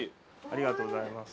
ありがとうございます。